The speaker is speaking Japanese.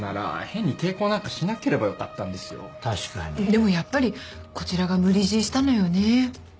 でもやっぱりこちらが無理強いしたのよね。